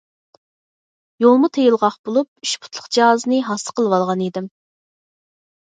يولمۇ تېيىلغاق بولۇپ، ئۈچ پۇتلۇق جازىنى ھاسا قىلىۋالغان ئىدىم.